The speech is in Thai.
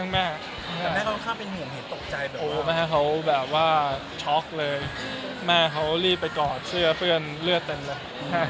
แม่เขาเรียกไปกอบเสื้อเพื่อนเลือดเต็นเลย